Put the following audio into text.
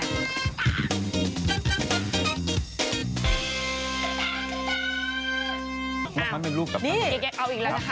เอียกเอาอีกแล้วนะคะ